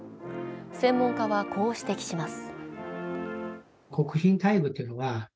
専門家はこう指摘します。